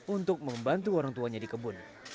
untuk membantu orang tuanya di kebun